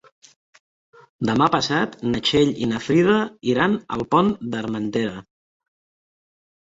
Demà passat na Txell i na Frida iran al Pont d'Armentera.